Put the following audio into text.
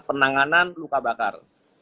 penanganan luka bakar